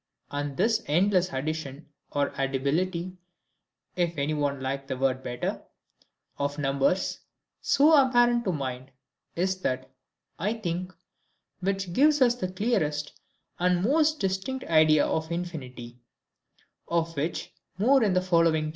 And this ENDLESS ADDITION or ADDIBILITY (if any one like the word better) of numbers, so apparent to the mind, is that, I think, which gives us the clearest and most distinct idea of infinity: of which more in the following chapter.